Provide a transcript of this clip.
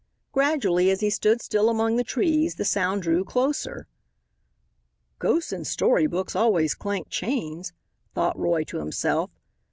Gradually, as he stood still among the trees, the sound drew closer. "Ghosts in story books always clank chains," thought Roy, to himself.